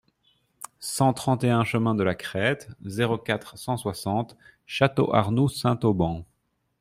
cent trente et un chemin de la Crête, zéro quatre, cent soixante, Château-Arnoux-Saint-Auban